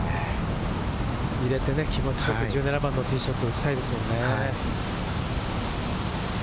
入れて気持ちよく１７番のティーショット、打ちたいですよね。